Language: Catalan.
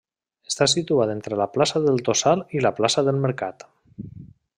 Està situat entre la plaça del Tossal i la plaça del Mercat.